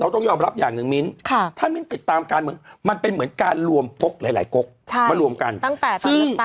ถูกต้องไม่ฮะวันนี้เมื่อพลังพจันทร์รัฐปุ๊บเราดูดิ